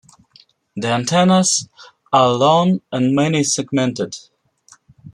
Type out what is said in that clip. The antennas are long and many-segmented.